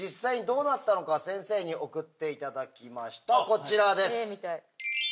こちらです。